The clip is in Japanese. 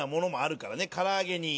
からあげに。